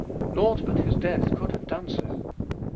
Naught but his death could have done so.